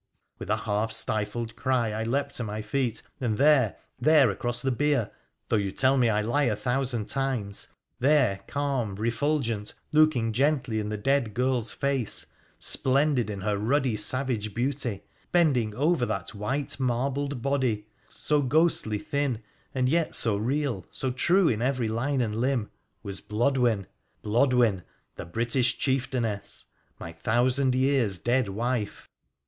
With a half stifled cry I leapt to my feet, and there — there across the bier — though you tell me I lie a thousand times — there, calm, refulgent, looking gently in the dead girl's face, splendid in her ruddy savage beauty, bending over that white marbled body, so ghostly thin and yet so real, so true in every line and limb, was Blodwen — Blodwen, the British chieftainess — my thousand yeara dead wife.